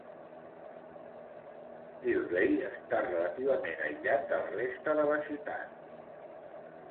Delray està relativament aïllat del reste de la ciutat.